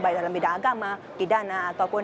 baik dalam bidang agama pidana ataupun